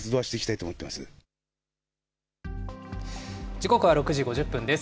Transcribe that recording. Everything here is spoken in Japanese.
時刻は６時５０分です。